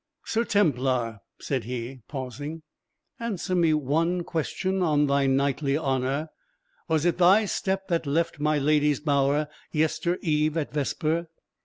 "Sir Templar," said he, pausing, "answer me one question on thy knightly honour. Was it thy step that left my lady's bower yester eve at vesper?"